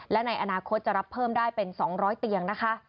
และในอนาคตจะรับเพิ่มได้เป็น๒๐๐เตียงนะคะ